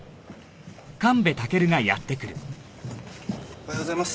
おはようございます。